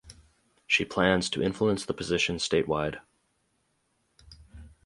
She plans to influence the position statewide.